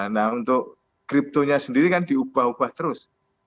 nah untuk kriptonya sendiri kan diubah ubah terus